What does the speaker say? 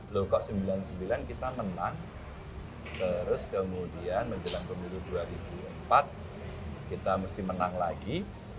loh kok sembilan puluh sembilan kita menang terus kemudian menjelang pemilu dua ribu empat kita mesti menang lagi